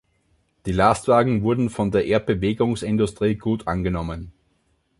Die Lastwagen wurden von der Erdbewegungsindustrie gut angenommen.